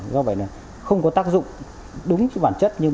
do vậy không có tác dụng đúng với bản chất